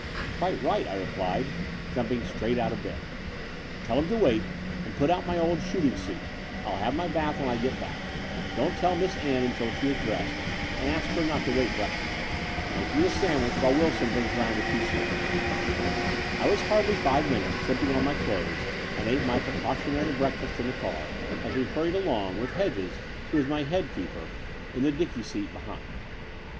"Quite right," I replied, jumping straight out of 50 The Door of the Unteal bed. "Tell Imn to wait, and put out my old shooting suit. I'll have my bath when I get back. Don't tell Miss Ann until she is dressed, and ask her not to wait breakfast. Make me a sandwich while Wilson brings round the two seater." I was hardly five minutes slipping on my clothes and ate my precautionary breakfast in the car, as we hurried along, with Hedges (who is my head keeper) on the dicky seat behind.